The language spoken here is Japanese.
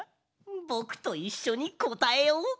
ぼくといっしょにこたえよう。